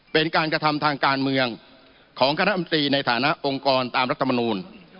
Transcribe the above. เป็นการกระทำทางการเมืองของคณะอำตรีในฐานะองค์กรตามรัฐมนูล